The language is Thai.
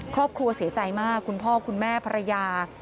ครอบครัวเสียใจมากคุณพ่อคุณแม่ภรรยา